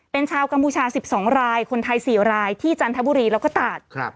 เป็นชาวกัมพูชา๑๒รายคนไทย๔รายที่จันทบุรีแล้วก็ตาด